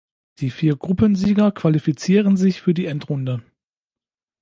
Die vier Gruppensieger qualifizieren sich für die Endrunde.